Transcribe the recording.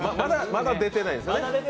まだ出てないですね。